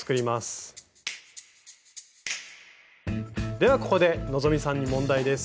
ではここで希さんに問題です。